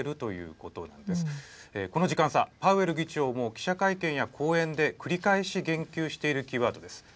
この時間差パウエル議長も記者会見や講演で繰り返し言及しているキーワードです。